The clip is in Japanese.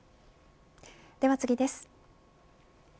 では次です。